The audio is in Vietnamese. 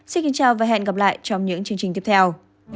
xin kính chào và hẹn gặp lại trong những chương trình tiếp theo